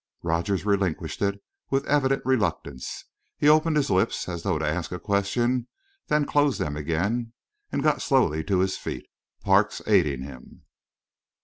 Rogers relinquished it with evident reluctance. He opened his lips as though to ask a question; then closed them again, and got slowly to his feet, Parks aiding him.